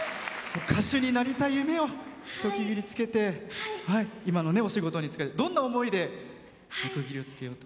歌手になりたい夢に一区切りつけて今のお仕事見つけてどんな思いで区切りをつけようと。